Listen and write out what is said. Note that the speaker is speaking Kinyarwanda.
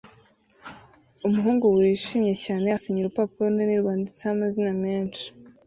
Umuhungu wishimye cyane asinyira urupapuro runini rwanditseho amazina menshi